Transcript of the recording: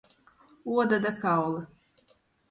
Uoda da kauli.